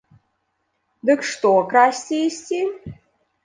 Дык што, красці ісці?